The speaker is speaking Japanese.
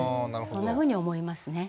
そんなふうに思いますね。